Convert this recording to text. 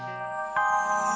padahal kita udah deket